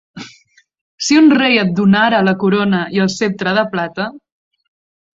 Si un rei et donara la corona i el ceptre de plata